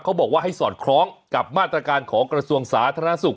เขาบอกว่าให้สอดคล้องกับมาตรการของกระทรวงสาธารณสุข